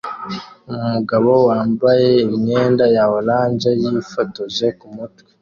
Umugabo wambaye imyenda ya orange yifotoje kumutwe